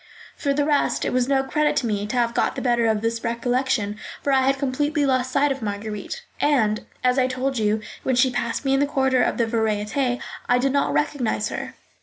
For the rest, it was no credit to me to have got the better of this recollection, for I had completely lost sight of Marguerite, and, as I told you, when she passed me in the corridor of the Variétés, I did not recognise her.